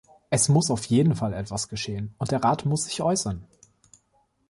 Es muss auch jeden Fall etwas geschehen, und der Rat muss sich äußern.